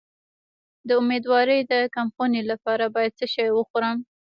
د امیدوارۍ د کمخونی لپاره باید څه شی وخورم؟